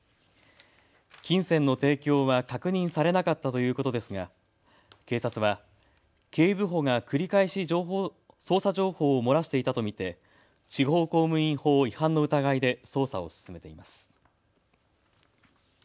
金銭の提供は確認されなかったということですが警察は警部補が繰り返し捜査情報を漏らしていたと見て地方公務員法違反の疑いで捜査を進めています。